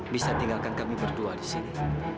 bisa tinggalkan kami berdua disini